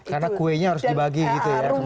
karena kuenya harus dibagi gitu ya